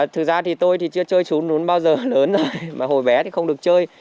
thực ra thì tôi thì chưa chơi trú nhún bao giờ lớn rồi mà hồi bé thì không được chơi